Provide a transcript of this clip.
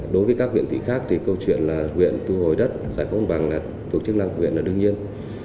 đối với các huyện tỷ khác thì câu chuyện là huyện tu hồi đất giải phóng bằng là tổ chức năng của huyện là đương nhiên